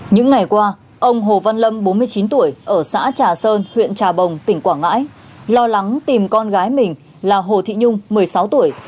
những ngày qua ông hồ văn lâm bốn mươi chín tuổi ở xã trà sơn huyện trà bồng tỉnh quảng ngãi lo lắng tìm con gái mình là hồ thị nhung một mươi sáu tuổi